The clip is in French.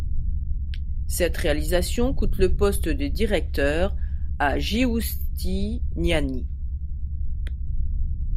Cette réalisation coûte le poste de directeur à Giustiniani.